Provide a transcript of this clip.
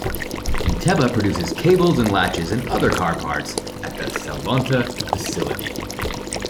Inteva produces cables and latches and other car parts at the Salonta facility.